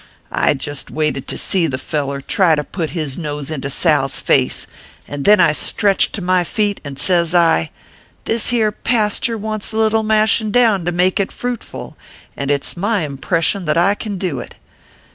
I jest waited to see the feller try to put his nose into Sal s face, and then I stretched to my feet, and sez I : This here pasture wants a little mashin down to make it fruitful, and it s my impreshun that I can do it.